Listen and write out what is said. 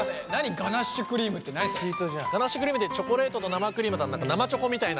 ガナッシュクリームってチョコレートと生クリームと生チョコみたいな。